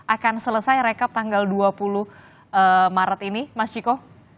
akan selesai rekap tanggal dua puluh maret ini mas ciko